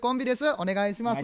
お願いします。